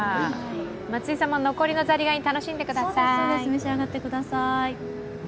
松井さんも残りのザリガニ楽しんでください。